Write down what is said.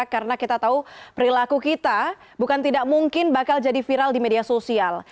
karena kita tahu perilaku kita bukan tidak mungkin bakal jadi viral di media sosial